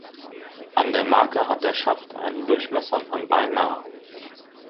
An der Marke hat der Schaft einen Durchmesser von beinahe.